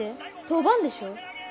当番でしょ。